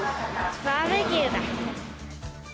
バーベキューだ。